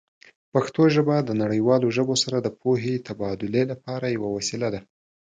پښتو ژبه د نړیوالو ژبو سره د پوهې تبادله لپاره یوه وسیله ده.